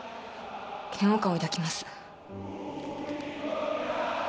嫌悪感を抱きます